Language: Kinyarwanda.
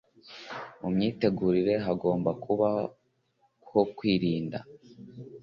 mu myitegurire hagomba kuba ho kwitonda